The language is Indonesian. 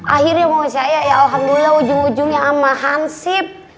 akhirnya mau saya ya alhamdulillah ujung ujungnya sama hansip